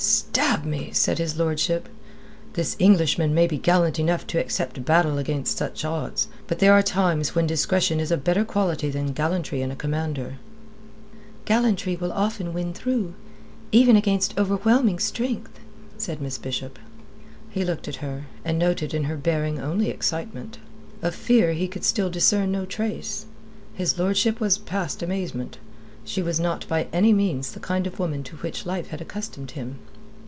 "Stab me!" said his lordship. "This Englishman may be gallant enough to accept battle against such odds. But there are times when discretion is a better quality than gallantry in a commander." "Gallantry will often win through, even against overwhelming strength," said Miss Bishop. He looked at her, and noted in her bearing only excitement. Of fear he could still discern no trace. His lordship was past amazement. She was not by any means the kind of woman to which life had accustomed him.